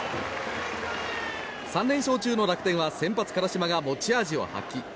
３連勝中の楽天は先発、辛島が持ち味を発揮。